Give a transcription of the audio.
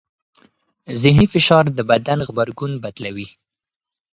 ذهني فشار د بدن غبرګون بدلوي.